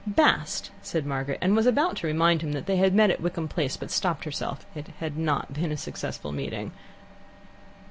"Bast," said Margaret, and was about to remind him that they had met at Wickham Place, but stopped herself. It had not been a successful meeting.